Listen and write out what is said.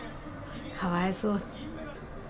かわいそう。